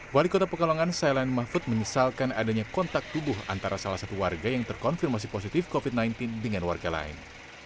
wali kota pekalongan sailan mahfud menyesalkan adanya kontak tubuh antara salah satu warga yang terkonfirmasi positif covid sembilan belas dengan warga lain